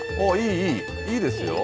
いいですよ。